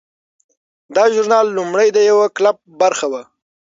دا ژورنال لومړی د یو کلپ برخه وه.